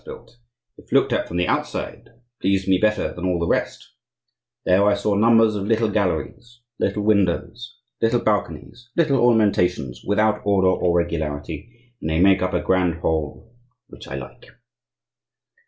built, if looked at from the outside, pleased me better than all the rest; there I saw numbers of little galleries, little windows, little balconies, little ornamentations without order or regularity, and they make up a grand whole which I like."